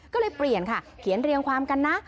ก็เลยเปลี่ยนค่ะเขียนเรียงความกันนะ